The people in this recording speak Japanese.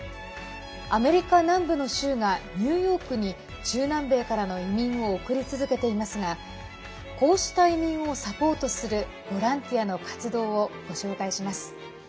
アメリカ南部の州がニューヨークに中南米からの移民を送り続けていますがこうした移民をサポートするボランティアの活動をご紹介します。